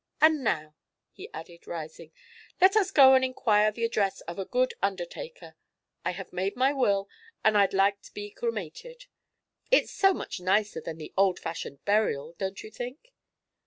And now," he added, rising, "let us go and inquire the address of a good undertaker. I have made my will, and I'd like to be cremated it's so much nicer than the old fashioned burial, don't you think?"